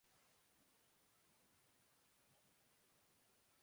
کام شروع کرنے کے لیے حوصلہ افزائی کی ضرورت محسوس کرتا ہوں